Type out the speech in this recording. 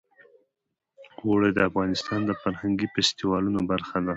اوړي د افغانستان د فرهنګي فستیوالونو برخه ده.